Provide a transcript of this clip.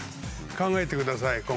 考えてください今回も。